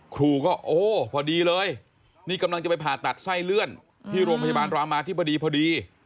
ครูก็โอ้พอดีเลยนี่กำลังจะไปผ่าตัดไส้เลื่อนที่โรงพยาบาลรามาธิบดีพอดี